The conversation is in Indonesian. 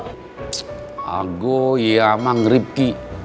psst aku ya memang ribki